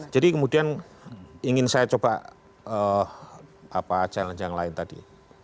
jadi kemudian ingin saya coba challenge yang lain tadi